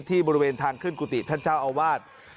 บริเวณทางขึ้นกุฏิท่านเจ้าอาวาส